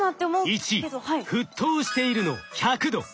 １「沸騰している」の１００℃。